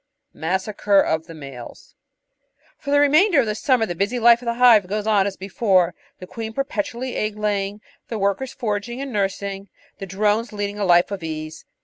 « Massacre of the Males For the remainder of the summer the busy life of the hive goes on as before, the queen perpetually egg laying, the workers foraging and nursing, the drones leading a life of ease.